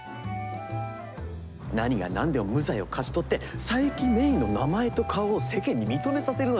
何が何でも無罪を勝ち取って佐伯芽依の名前と顔を世間に認めさせるのよ。